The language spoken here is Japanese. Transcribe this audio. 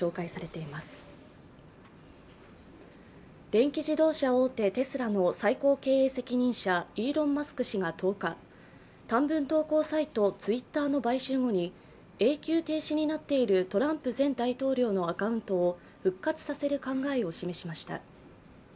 電気自動車大手テスラの最高経営責任者イーロン・マスク氏が１０日、短文投稿サイト、ツイッターの買収後に永久停止になっているトランプ前大統領のアカウントを復活させる考えを示しました。